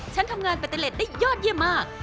ฉันทำงานปาเตเล็ตได้ยอดเยี่ยมมาก